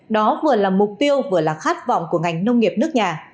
đó vừa là mục tiêu vừa là khát vọng của ngành nông nghiệp nước nhà